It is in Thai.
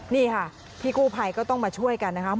นี่ค่ะพี่กู้ภัยก็ต้องมาช่วยกันนะครับ